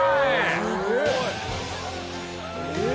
すごい！え